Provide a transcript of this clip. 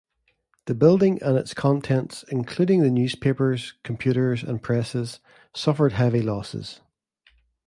The building and its contents, including the newspapers computers and presses, suffered heavy losses.